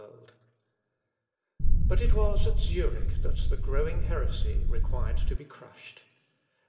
200, 22nd May.) But it was at Zurich that the growing heresy required to be crushed.